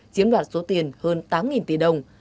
chiếm đoạt số tiền hơn tám tỷ đồng